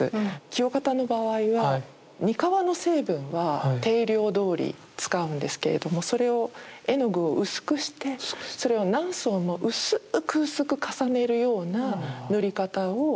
清方の場合は膠の成分は定量どおり使うんですけれどもそれを絵の具を薄くしてそれを何層も薄く薄く重ねるような塗り方をしていたようです。